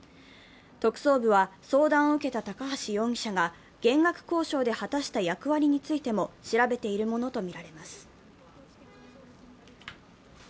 特捜部は相談を受けた高橋容疑者が減額交渉で果たした役割についても調べているものとみられます。